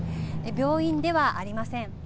病院ではありません。